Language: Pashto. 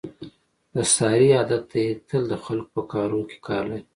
د سارې عادت دی تل د خلکو په کاروکې کار لري.